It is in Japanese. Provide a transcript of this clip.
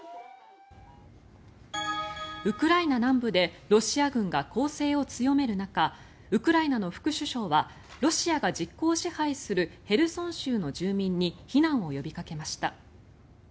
ウクライナ南部でロシア軍が攻勢を強める中ウクライナの副首相はロシアが実効支配するヘルソン州の住民に避難を呼びかけました。